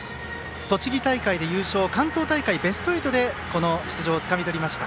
栃木大会で優勝、関東大会ベスト８で出場をつかみとりました。